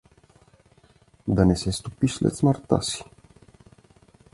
Да не се стопиш след смъртта си!